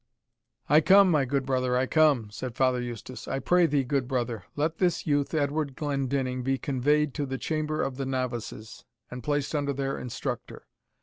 "I come, my good brother, I come," said Father Eustace. "I pray thee, good brother, let this youth, Edward Glendinning, be conveyed to the Chamber of the Novices, and placed under their instructor.